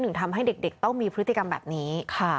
ทำให้เด็กต้องมีพฤติกรรมแบบนี้